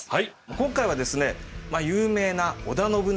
今回はですね有名な織田信長